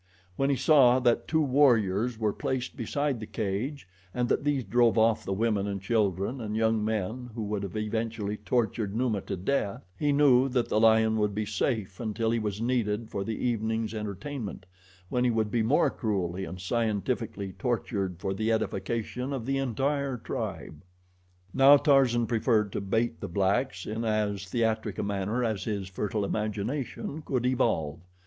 When he saw that two warriors were placed beside the cage, and that these drove off the women and children and young men who would have eventually tortured Numa to death, he knew that the lion would be safe until he was needed for the evening's entertainment, when he would be more cruelly and scientifically tortured for the edification of the entire tribe. Now Tarzan preferred to bait the blacks in as theatric a manner as his fertile imagination could evolve.